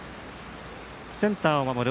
センターを守る